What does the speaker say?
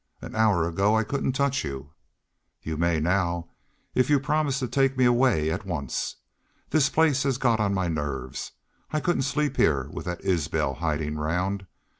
An hour ago I couldn't touch y'u." "Y'u may now if y'u promise to take me away at once. This place has got on my nerves. I couldn't sleep heah with that Isbel hidin' around.